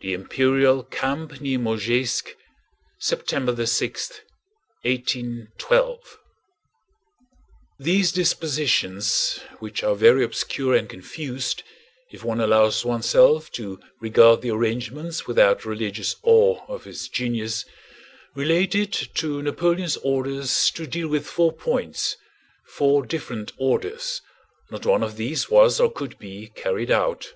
The Imperial Camp near Mozháysk, September, 6, 1812. These dispositions, which are very obscure and confused if one allows oneself to regard the arrangements without religious awe of his genius, related to Napoleon's orders to deal with four points—four different orders. Not one of these was, or could be, carried out.